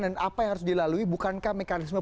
dan apa yang harus dilalui bukankah mekanisme